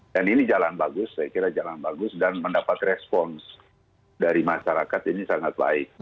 ini jalan bagus saya kira jalan bagus dan mendapat respons dari masyarakat ini sangat baik